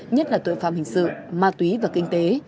nhất là tội phạm hình sự ma túy và kinh tế